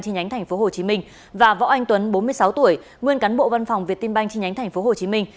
trên nhánh tp hồ chí minh và võ anh tuấn bốn mươi sáu tuổi nguyên cán bộ văn phòng việt tiên banh trên nhánh tp hồ chí minh